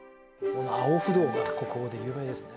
「青不動が国宝で有名ですね」